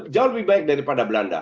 jauh lebih baik daripada belanda